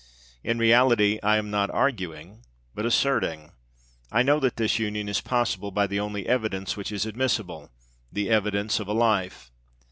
In reality, I am not arguing, but asserting. I know that this union is possible by the only evidence which is admissible the evidence of a life.